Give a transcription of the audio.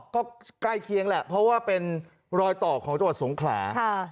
ก็ใกล้เคียงแหละเพราะว่าเป็นรอยต่อของจังหวัดสงขลา